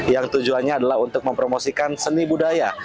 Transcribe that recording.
yang tujuannya adalah untuk mempromosikan seni budaya